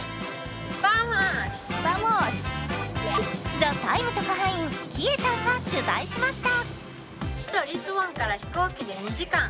「ＴＨＥＴＩＭＥ，」特派員Ｋｉｅさんが取材しました。